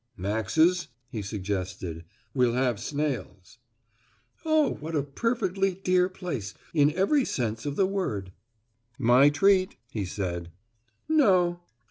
"Max's?" he suggested, "we'll have snails." "Oh, what a perfectly dear place in every sense of the word." "My treat," he said. "No."